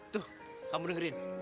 tuh kamu dengerin